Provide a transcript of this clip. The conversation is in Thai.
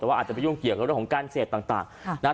แต่ว่าอาจจะไปยุ่งเกี่ยวกับเรื่องของการเสพต่างนะครับ